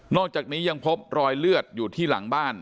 อกจากนี้ยังพบรอยเลือดอยู่ที่หลังบ้าน